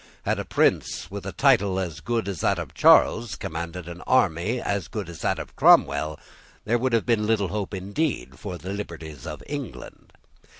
Had a prince with a title as good as that of Charles, commanded an army as good as that of Cromwell, there would have been little hope indeed for the liberties of England.